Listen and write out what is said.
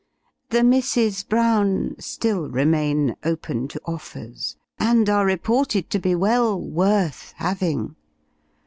The Misses Brown still remain open to offers, and are reported to be well worth having.